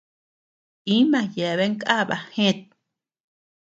Íma yeabean kaba gët.